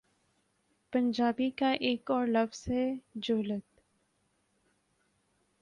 پنجابی کا ایک اور لفظ ہے، ' جھلت‘۔